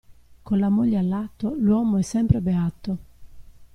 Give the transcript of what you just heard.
Con la moglie a lato l'uomo è sempre beato.